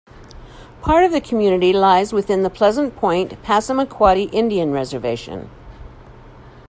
Part of the community lies within the Pleasant Point Passamaquoddy Indian Reservation.